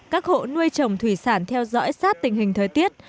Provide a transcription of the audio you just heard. các hộ nuôi trồng thủy sản theo dõi sát tình hình thời tiết